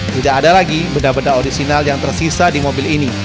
tidak ada lagi benda benda orisinal yang tersisa di mobil ini